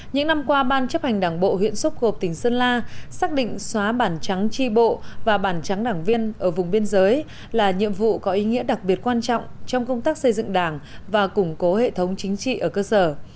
những năm qua ban chấp hành đảng bộ huyện xúc cộp tỉnh sơn la xác định xóa bản trắng tri bộ và bản trắng đảng viên ở vùng biên giới là nhiệm vụ có ý nghĩa đặc biệt quan trọng trong công tác xây dựng đảng và củng cố hệ thống chính trị ở cơ sở